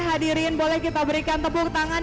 hadirin boleh kita berikan tepuk tangan